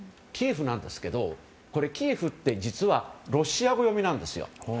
キエフなんですけどキエフって実はロシア語読みなんです。